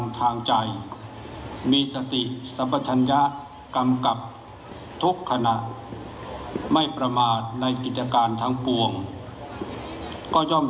ถือว่าชีวิตที่ผ่านมายังมีความเสียหายแก่ตนและผู้อื่น